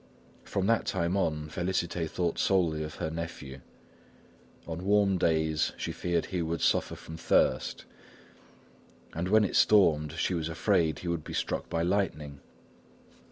From that time on, Félicité thought solely of her nephew. On warm days she feared he would suffer from thirst, and when it stormed, she was afraid he would be struck by lightning.